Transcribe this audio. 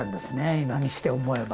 今にして思えば。